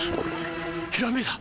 ひらめいた！